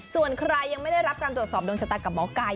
ส่วนใครยังไม่ได้รับการตรวจสอบดวงชะตากับหมอไก่